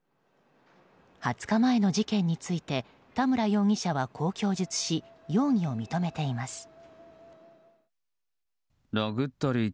２０日前の事件について田村容疑者は、こう供述し容疑を認めています。